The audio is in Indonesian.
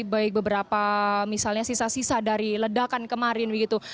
baik beberapa misalnya sisa sisa dari ledakan kemarin begitu